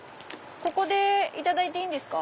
ここでいただいていいんですか？